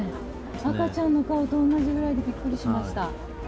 赤ちゃんの顔と同じぐらいでびっくりしました。